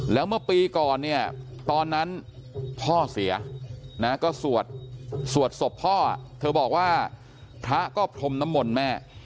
แล้วเมื่อปีก่อนเนี่ยตอนนั้นพ่อเสียนะก็สวดศพพ่อเธอบอกว่าพระก็พรมน้ำมนต์แม่